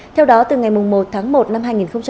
theo đó từ ngày một tháng một năm hai nghìn một mươi tám